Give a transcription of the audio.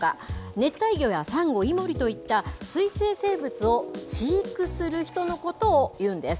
熱帯魚やサンゴ、イモリといった水生生物を飼育する人のことをいうんです。